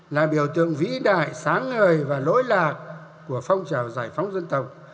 là biểu tượng vĩ đại sáng ngời và lỗi lạc của phong trào giải phóng dân tộc